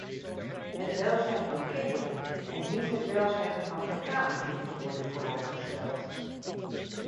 Het welzijn van kinderen, en niet het welzijn van advocaten, dient te worden vooropgesteld.